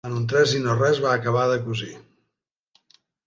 En un tres i no res va acabar de cosir.